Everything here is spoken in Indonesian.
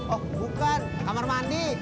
oh bukan kamar mandi